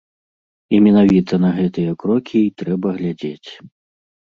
І менавіта на гэтыя крокі і трэба глядзець.